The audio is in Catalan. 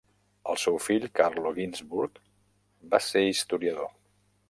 El seu fill, Carlo Ginzburg, va ser historiador.